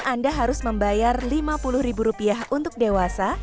anda harus membayar lima puluh ribu rupiah untuk dewasa